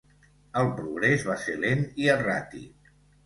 El progrés va ser lent i erràtic.